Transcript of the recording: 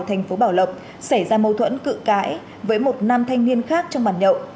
thành phố bảo lộc xảy ra mâu thuẫn cự cãi với một nam thanh niên khác trong bàn nhậu